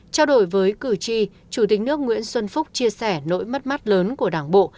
trao đổi với cử tri chủ tịch nước nguyễn xuân phúc chia sẻ nỗi mất mát lớn của đảng bộ